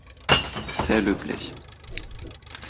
Sehr löblich.